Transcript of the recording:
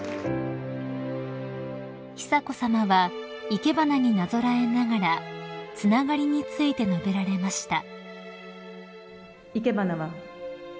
［久子さまは生け花になぞらえながらつながりについて述べられました］